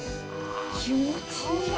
気持ちいい。